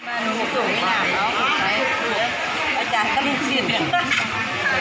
หลายส่วนที่จะเข้าไปที่นี่